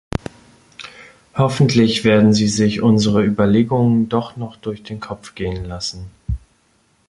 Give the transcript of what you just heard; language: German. Hoffentlich werden Sie sich unsere Überlegungen doch noch durch den Kopf gehen lassen.